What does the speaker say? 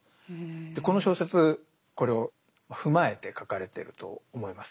この小説これを踏まえて書かれてると思います。